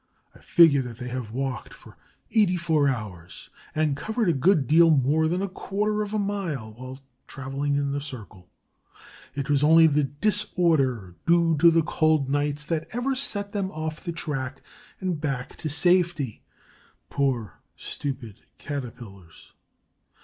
I figure that they have walked for eighty four hours, and covered a good deal more than a quarter of a mile while traveling in the circle. It was only the disorder due to the cold nights that ever set them off the track and back to safety. Poor, stupid Caterpillars!